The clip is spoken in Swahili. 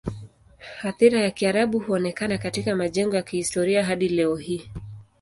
Athira ya Kiarabu huonekana katika majengo ya kihistoria hadi leo hii.